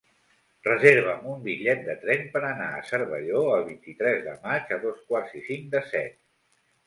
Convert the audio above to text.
Reserva'm un bitllet de tren per anar a Cervelló el vint-i-tres de maig a dos quarts i cinc de set.